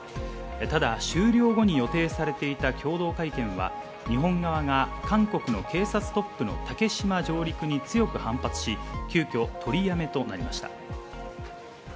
ただ終了後に予定されていた共同会見は、日本側が韓国の警察トップの竹島上陸に強く反発し、急きょ取り止めとなりました。